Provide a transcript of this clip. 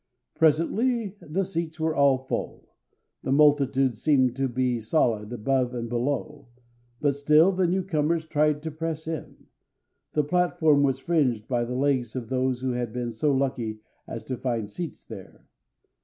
Presently the seats were all full. The multitude seemed to be solid above and below, but still the new comers tried to press in. The platform was fringed by the legs of those who had been so lucky as to find seats there.